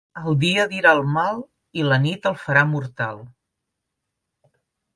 El dia dirà el mal i la nit el farà mortal.